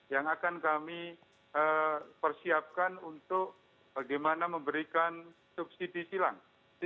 yang akan kami persiapkan untuk bagaimana memberikan subsidi silang